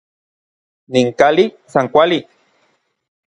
Nin kali san kuali.